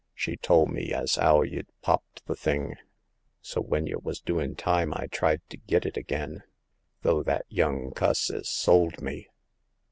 She tole me as *ow y'd popped th' thing ; so when y' wos doin' time I tried to git it again, tho' that young cuss 'es sold me.